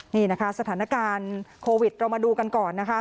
นี่นะคะสถานการณ์โควิดเรามาดูกันก่อนนะคะ